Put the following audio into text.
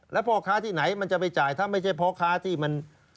แล้วพ่อค้าที่ไหนมันจะไปจ่ายถ้าไม่ใช่พ่อค้าที่มัน